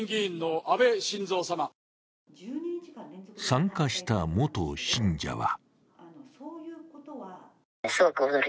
参加した元信者は。